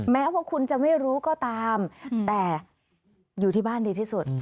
แม้ว่าคุณจะไม่รู้ก็ตามแต่อยู่ที่บ้านดีที่สุด